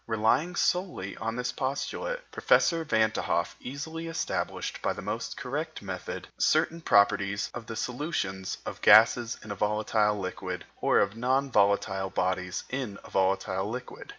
Relying solely on this postulate, Professor Van t' Hoff easily established, by the most correct method, certain properties of the solutions of gases in a volatile liquid, or of non volatile bodies in a volatile liquid.